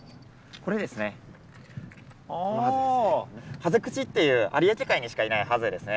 ハゼクチっていう有明海にしかいないハゼですね。